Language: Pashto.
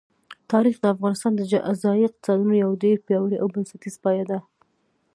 تاریخ د افغانستان د ځایي اقتصادونو یو ډېر پیاوړی او بنسټیز پایایه دی.